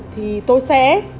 thì tôi sẽ